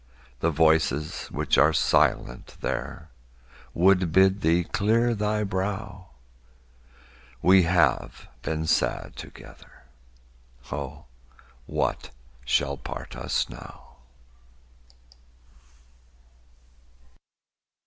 The voices which are silent there Would bid thee clear thy brow; We have been sad together. Oh, what shall part us now?